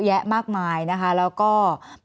แอนตาซินเยลโรคกระเพาะอาหารท้องอืดจุกเสียดแสบร้อน